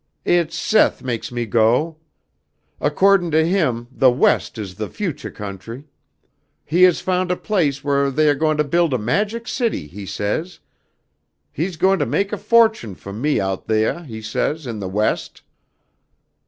"It's Seth makes me go. Accordin' to him, the West is the futuah country. He has found a place wheah they ah goin' to build a Magic City, he says. He's goin' to maik a fortune fo' me out theah, he says, in the West."